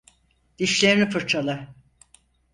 Dişlerini fırçala.